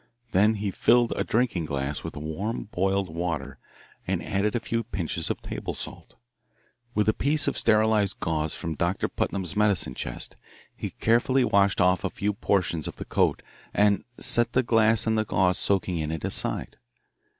Then he filled a drinking glass with warm boiled water and added a few pinches of table salt. With a piece of sterilised gauze from Doctor Putnam's medicine chest, he carefully washed off a few portions of the coat and set the glass and the gauze soaking in it aside.